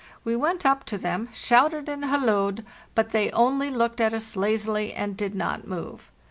We went up to them, shouted and halloed, but they only looked at us lazily, and did not move.